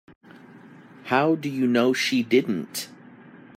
How do you know she didn't?